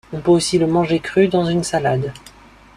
On peut aussi le manger cru, dans une salade.